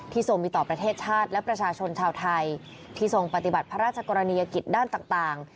ทรงมีต่อประเทศชาติและประชาชนชาวไทยที่ทรงปฏิบัติพระราชกรณียกิจด้านต่าง